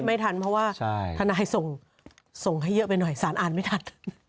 ไม่ทันเพราะว่าทนายส่งให้เยอะไปหน่อยสารอ่านไม่ทัน